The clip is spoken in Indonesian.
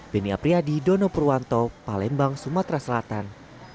denny apriadi dono purwanto palembang sumatera selatan